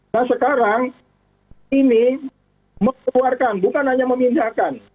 nah sekarang ini mengeluarkan bukan hanya memindahkan